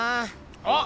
あっ！